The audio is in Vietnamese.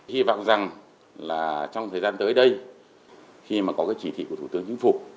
hy vọng rằng là trong thời gian tới đây khi mà có cái chỉ thị của thủ tướng chính phủ